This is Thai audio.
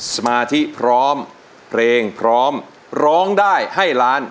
สมาธิพร้อมเพลงพร้อมร้องได้ให้ล้าน